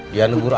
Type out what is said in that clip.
dia nunggu akang